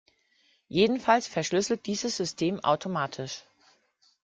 Jedenfalls verschlüsselt dieses System automatisch.